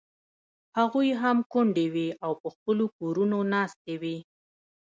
هغوی هم کونډې وې او په خپلو کورونو ناستې وې.